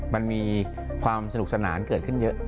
มันมีความสนุกสนานเกิดขึ้นเยอะ